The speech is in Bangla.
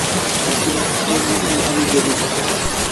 বাকি রাতটা নিসার আলি জেগেই কাটালেন।